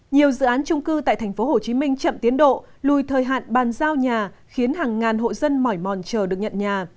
nhiều dự án trung cư tại tp hcm chậm tiến độ lùi thời hạn bàn giao nhà khiến hàng ngàn hộ dân mỏi mòn chờ được nhận nhà